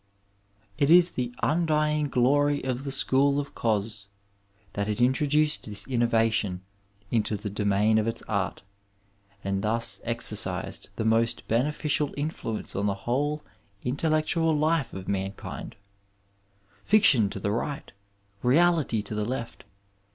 " It is the undying glory of the school of Cos that it introduced this innovation into the domain of its Art, and thus exercised the most bene ficial influence on the whole intellectual life of mankindt Fiction to the right ! Reality to the left